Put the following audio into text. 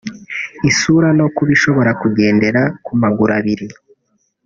isura no kuba ishobora kugendera ku maguru abiri